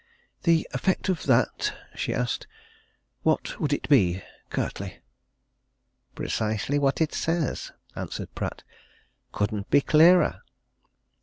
"The effect of that?" she asked. "What would it be curtly?" "Precisely what it says," answered Pratt. "Couldn't be clearer!"